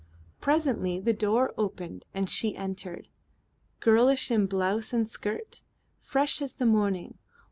Presently the door opened and she entered, girlish in blouse and skirt, fresh as the morning.